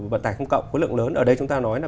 vận tải không cộng có lượng lớn ở đây chúng ta nói là